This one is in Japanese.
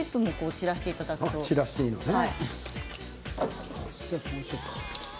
散らしていいのね。